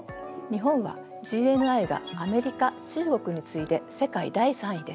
日本はＧＮＩがアメリカ中国に次いで世界第３位です。